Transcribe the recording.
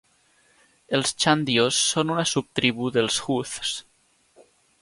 Els "chandios" són una subtribu dels "hooths".